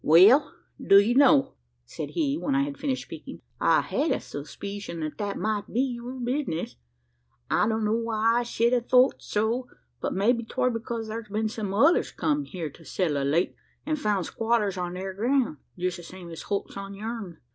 "Well do you know," said he, when I had finished speaking, "I had a suspeecion that that might be your bisness? I don know why I shed a thort so; but maybe 'twar because thar's been some others come here to settle o' late, an' found squatters on thar groun jest the same as Holt's on yourn.